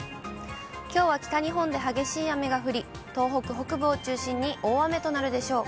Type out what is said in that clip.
きょうは北日本で激しい雨が降り、東北北部を中心に大雨となるでしょう。